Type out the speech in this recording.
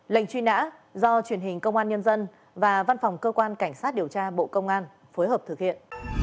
lệnh truy nã do truyền hình công an nhân dân và văn phòng cơ quan cảnh sát điều tra bộ công an phối hợp thực hiện